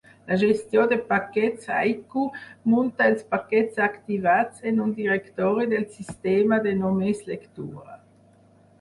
La gestió de paquets Haiku munta els paquets activats en un directori del sistema de només lectura.